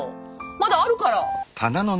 まだあるから。